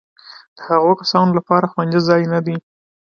د هغو کسانو لپاره خوندي ځای نه دی.